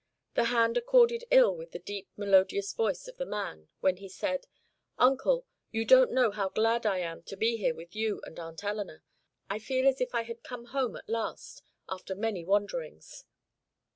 The hand accorded ill with the deep, melodious voice of the man, when he said: "Uncle, you don't know how glad I am to be here with you and Aunt Eleanor. I feel as if I had come home at last, after many wanderings."